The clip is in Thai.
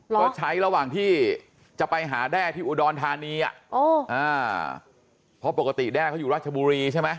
ก็ใช้ระหว่างที่จะไปหาแด้ที่อุดรธานีเพราะปกติแด้เขาอยู่ราชบุรีใช่ไหม